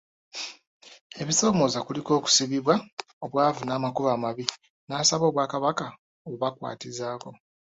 Ebisoomooza kuliko; okusibibwa, obwavu n'amakubo amabi, n'asaba Obwakabaka obakwatizaako.